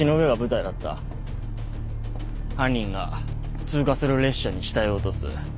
犯人が通過する列車に死体を落とす。